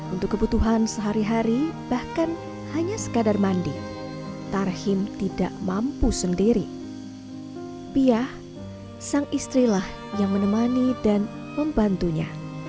untuk kebutuhan sehari hari bahkan hanya sekadar mandi tarhim tidak mampu sendiri piah sang istrilah yang menemani dan membantunya